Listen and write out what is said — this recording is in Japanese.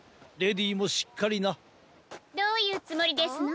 どういうつもりですの？